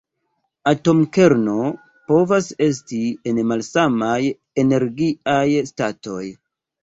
Atomkerno povas esti en malsamaj energiaj statoj.